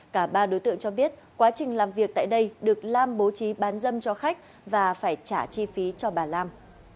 cả ba đối tượng cho biết quá trình làm việc tại đây được lam bố trí bán dâm cho khách và phải trả chi phí cho bà lam